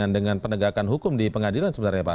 dengan penegakan hukum di pengadilan sebenarnya pak